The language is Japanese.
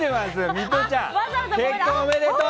ミトちゃん、結婚おめでとう！